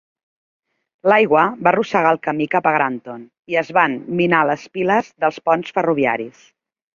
L'aigua va arrossegar el camí cap a Granton, i es van minar les piles dels ponts ferroviaris.